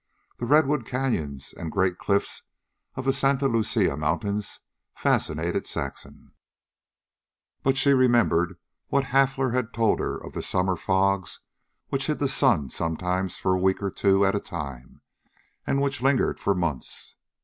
The redwood canyons and great cliffs of the Santa Lucia Mountains fascinated Saxon; but she remembered what Hafler had told her of the summer fogs which hid the sun sometimes for a week or two at a time, and which lingered for months.